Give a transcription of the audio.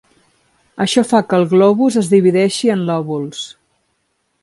Això fa que el globus es divideixi en lòbuls.